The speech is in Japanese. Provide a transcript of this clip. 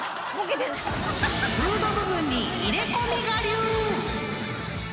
［フード部分に入れ込み我流！］